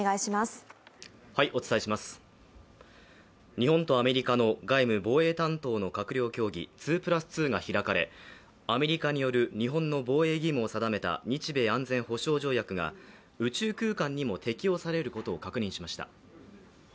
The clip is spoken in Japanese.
日本とアメリカの外務・防衛担当の閣僚協議、２＋２が開かれアメリカによる日本の防衛義務を定めた日米安全保障条約が宇宙空間にも適用されることを確認しました。